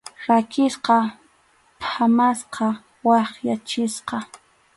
Rakisqa, phatmasqa, wakyachisqa.